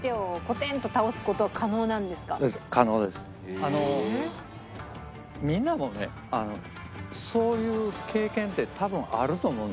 あのみんなもねそういう経験って多分あると思うんですよ。